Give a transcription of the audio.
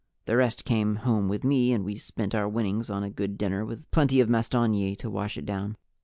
The rest came home with me and we spent our winnings on a good dinner with plenty of mastonyi to wash it down.